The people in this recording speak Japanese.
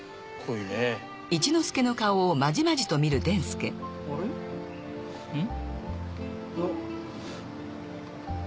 うん。